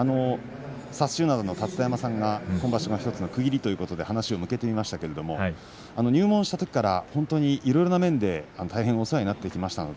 薩洲洋の立田山さんが今場所１つの区切りということで話を向けましたが入門したときからいろいろな面でお世話になってきました。